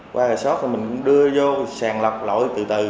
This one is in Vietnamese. qua gà sót mình đưa vô sàn lọc lội từ từ